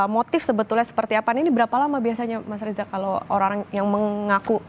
motif sebetulnya seperti apa ini berapa lama biasanya mas reza kalau orang yang mengaku